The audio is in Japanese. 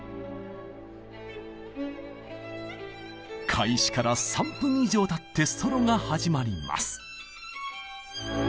開始から３分以上たってソロが始まります。